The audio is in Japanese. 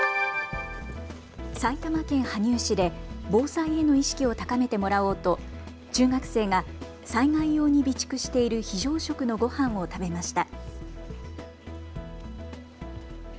埼玉県羽生市で防災への意識を高めてもらおうと中学生が災害用に備蓄している非常食のごはんを食べました。